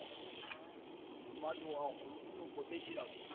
今のはほんの小手調べ。